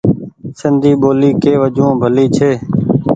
سندي ٻولي ڪي وجون ڀلي ڇي۔